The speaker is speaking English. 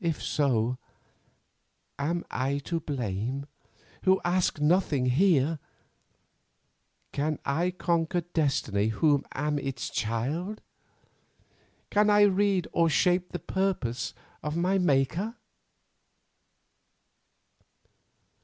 If so, am I to blame, who ask nothing here? Can I conquer destiny who am its child? Can I read or shape the purpose of my Maker?